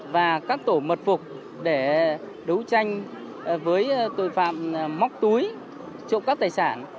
và các tổ mật phục để đấu tranh với tội phạm móc túi trộm cắp tài sản